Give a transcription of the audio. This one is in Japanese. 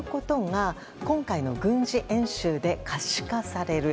今回の軍事演習で可視化される。